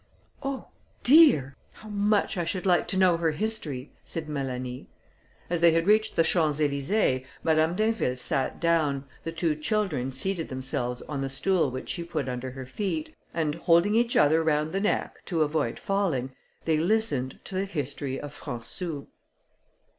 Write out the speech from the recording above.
"Oh! dear! how much I should like to know her history!" said Mélanie. As they had reached the Champs Elysées, Madame d'Inville sat down, the two children seated themselves on the stool which she put under her feet, and, holding each other round the neck, to avoid falling, they listened to the history of Françou.